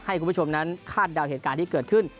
ให้คุณผู้ชมนั้นคาดเดาเหตุการณ์ที่เกิดขึ้น